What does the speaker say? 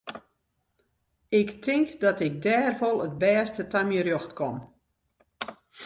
Ik tink dat ik dêr wol it bêste ta myn rjocht kom.